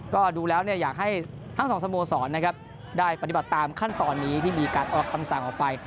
ก็ดูแล้วอยากให้ทั้งสองสโมสรนะครับได้ปฏิบัติตามขั้นตอนนี้ที่มีการออกคำสั่งออกไป